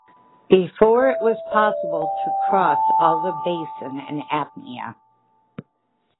Before, it was possible to cross all the basin in apnea.